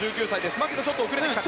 牧野、ちょっと遅れたか。